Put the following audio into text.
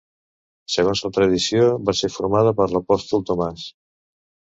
Segons la tradició, va ser fundada per l'Apòstol Tomàs.